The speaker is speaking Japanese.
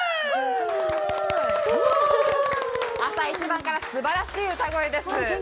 朝一番からすばらしい歌声です。